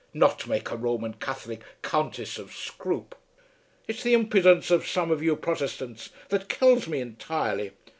Not make a Roman Catholic Countess of Scroope! It's the impudence of some of you Prothestants that kills me entirely.